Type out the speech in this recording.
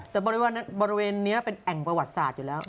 แต่บริเวณนี้เป็นแอ่งประวัติศาสตร์อยู่แล้ว